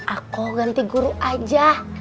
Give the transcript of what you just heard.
aku ganti guru aja